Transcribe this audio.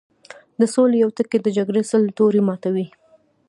د سولې يو ټکی د جګړې سل تورې ماتوي